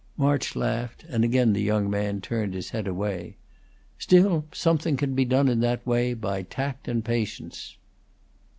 March laughed, and again the young man turned his head away. "Still, something can be done in that way by tact and patience."